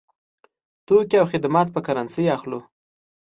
توکي او خدمات په کرنسۍ اخلو.